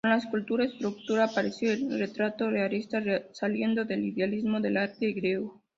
Con la escultura etrusca apareció el retrato realista, saliendo del idealismo del arte griego.